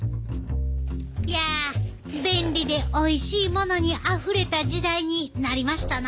いや便利でおいしいものにあふれた時代になりましたな！